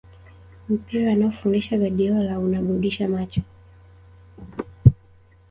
Mpira anaofundisha Guardiola unaburudisha macho